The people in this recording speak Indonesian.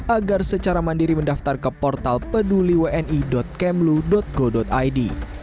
agar secara mandiri mendaftar ke portal peduli wni kemlu go id